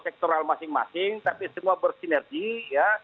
sektoral masing masing tapi semua bersinergi ya